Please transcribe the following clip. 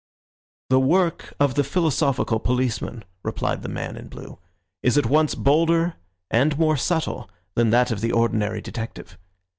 "The work of the philosophical policeman," replied the man in blue, "is at once bolder and more subtle than that of the ordinary detective.